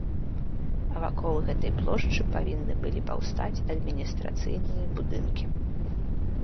А вакол гэтай плошчы павінны былі паўстаць адміністрацыйныя будынкі.